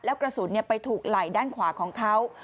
แล้วกระสุนไปถูกไหล่ด้านขวาของเขา